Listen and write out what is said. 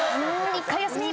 １回休み。